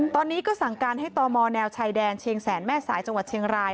ตอนนี้ก็สั่งการให้ตมแนวชายแดนเชียงแสนแม่สายจังหวัดเชียงราย